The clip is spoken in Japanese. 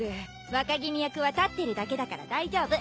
若君役は立ってるだけだから大丈夫。